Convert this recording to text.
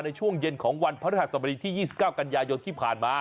ในช่วงเย็นของวันพระฤหัสบดีที่๒๙กันยายนที่ผ่านมา